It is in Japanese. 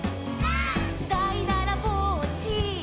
「」「だいだらぼっち」「」